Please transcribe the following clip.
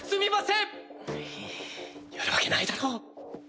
やるわけないだろ。